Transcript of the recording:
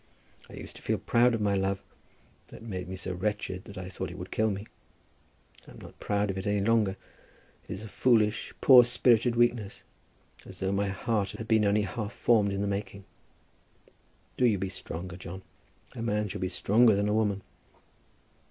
I used to feel proud of my love, though it made me so wretched that I thought it would kill me. I am not proud of it any longer. It is a foolish poor spirited weakness, as though my heart had been only half formed in the making. Do you be stronger, John. A man should be stronger than a woman."